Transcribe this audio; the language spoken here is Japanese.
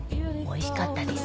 おいしかったな。